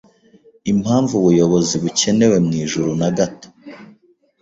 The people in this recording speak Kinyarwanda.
impamvu ubuyobozi bukenewe mu Ijuru na gato